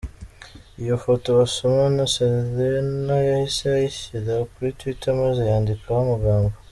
Iyi foto basomana, Selena yahise ayishyira kuri twitter maze yandikaho amagambo.